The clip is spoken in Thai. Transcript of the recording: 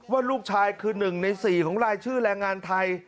ว่าลูกชายคือ๑ใน๔ของรายชื่อแรงงานไทย